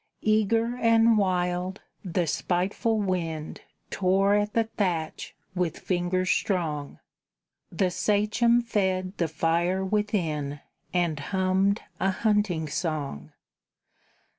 Eager and wild, the spiteful wind Tore at the thatch with fingers strong; The Sachem fed the fire within And hummed a hunting song.